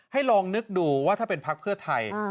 ลองนึกดูว่าถ้าเป็นพักเพื่อไทย